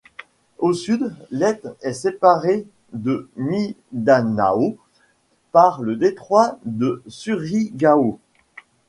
Au sud, Leyte est séparée de Mindanao par le détroit de Surigao.